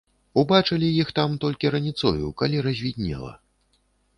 Убачылі іх там толькі раніцою, калі развіднела.